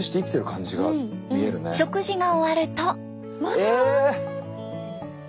食事が終わると。